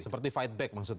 seperti fight back maksudnya